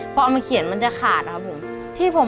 พอเอามาเขียนมันจะขาดนะครับผม